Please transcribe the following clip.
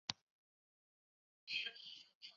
树火纪念纸博物馆管理。